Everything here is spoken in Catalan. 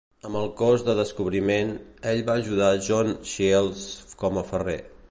Amb el Cos de Descobriment, ell va ajudar John Shields com a ferrer.